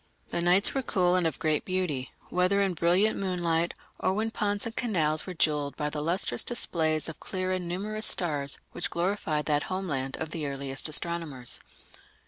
The nights were cool and of great beauty, whether in brilliant moonlight or when ponds and canals were jewelled by the lustrous displays of clear and numerous stars which glorified that homeland of the earliest astronomers.